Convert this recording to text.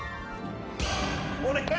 お願い！